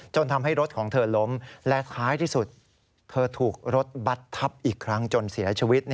ทำให้รถของเธอล้มและท้ายที่สุดเธอถูกรถบัตรทับอีกครั้งจนเสียชีวิต